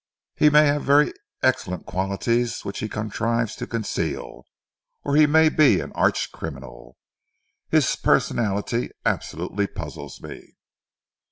He may have very excellent qualities which he contrives to conceal, or he may be an arch criminal. His personality absolutely puzzles me."